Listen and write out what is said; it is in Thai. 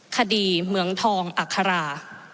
คดีเมืองทองอัครา